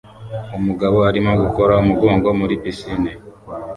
Umugabo arimo gukora umugongo muri pisine